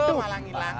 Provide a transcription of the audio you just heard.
aduh malangin lah